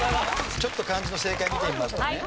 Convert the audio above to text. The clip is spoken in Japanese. ちょっと漢字の正解見てみますとね。